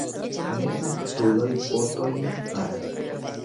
Ne sanktuloj potojn faras.